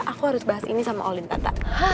aku harus bahas ini sama olin tata